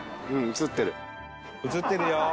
映ってるよ！